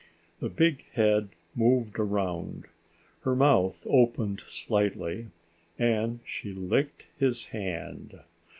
The big head moved around. Her mouth opened slightly and she licked his hand.